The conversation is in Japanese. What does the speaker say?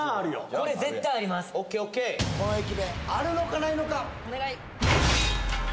この駅弁あるのかないのかお願い